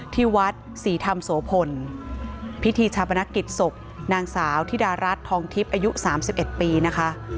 ที่วัดศรีธรรมโสพลพิธีชาปนกิจศพนางสาวธิดารัฐทองทิพย์อายุ๓๑ปีนะคะ